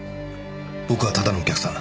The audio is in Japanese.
僕はただのお客さん。